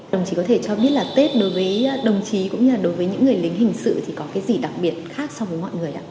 đồng chí có thể cho biết là tết đối với đồng chí cũng như là đối với những người lính hình sự thì có cái gì đặc biệt khác so với mọi người ạ